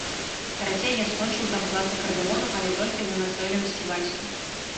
Карацей, я скончыў там клас акардэону, але толькі з-за настойлівасці бацькі.